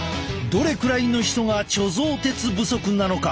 どれくらいの人が貯蔵鉄不足なのか？